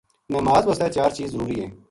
نماز وسطے چار چیز ضروری ہیں۔